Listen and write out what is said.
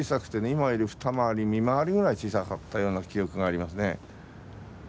今より二回り三回りぐらい小さかったような記憶がありますね。